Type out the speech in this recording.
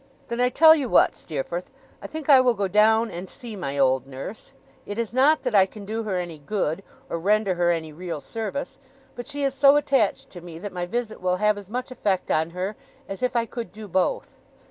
'Then I tell you what, Steerforth. I think I will go down and see my old nurse. It is not that I can do her any good, or render her any real service; but she is so attached to me that my visit will have as much effect on her, as if I could do both.